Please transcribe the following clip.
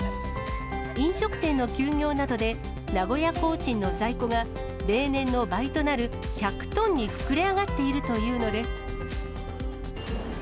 飲食店の休業などで、名古屋コーチンの在庫が例年の倍となる１００トンに膨れ上がっているというのです。